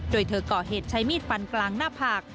โดยเธอก่อเหตุใช้มีดฟันกลางหน้าผาก